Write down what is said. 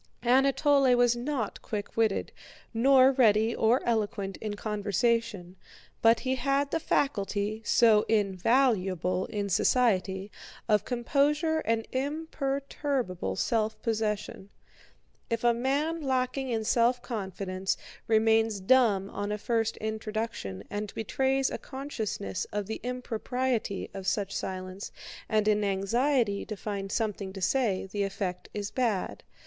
Anatole was not quick witted, nor ready or eloquent in conversation, but he had the faculty, so invaluable in society, of composure and imperturbable self possession. If a man lacking in self confidence remains dumb on a first introduction and betrays a consciousness of the impropriety of such silence and an anxiety to find something to say, the effect is bad.